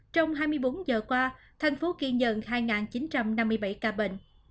trong hai mươi bốn giờ qua thành phố ghi nhận hai chín trăm năm mươi bảy ca bệnh